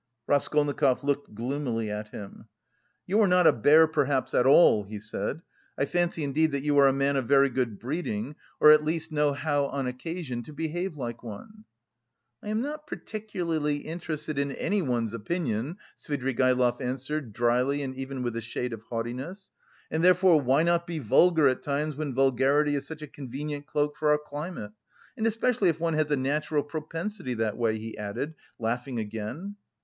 Raskolnikov looked gloomily at him. "You are not a bear, perhaps, at all," he said. "I fancy indeed that you are a man of very good breeding, or at least know how on occasion to behave like one." "I am not particularly interested in anyone's opinion," Svidrigaïlov answered, dryly and even with a shade of haughtiness, "and therefore why not be vulgar at times when vulgarity is such a convenient cloak for our climate... and especially if one has a natural propensity that way," he added, laughing again.